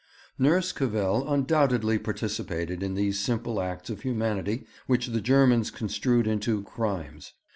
Nurse Cavell undoubtedly participated in these simple acts of humanity which the Germans construed into 'crimes.'